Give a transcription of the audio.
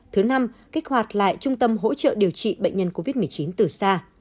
thứ năm kích hoạt lại trung tâm hỗ trợ điều trị bệnh nhân covid một mươi chín từ xa